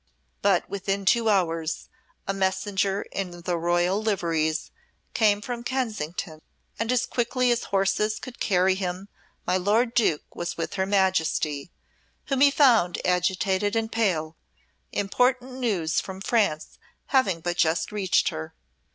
But within two hours a messenger in the royal liveries came from Kensington and as quickly as horses could carry him my lord Duke was with her Majesty, whom he found agitated and pale, important news from France having but just reached her.